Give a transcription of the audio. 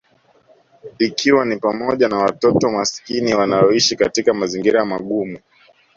Ikiwa ni pamoja na watoto maskini na wanaoishi katika mazingira magumu